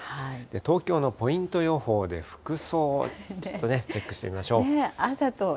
東京のポイント予報で服装、チェックしてみましょう。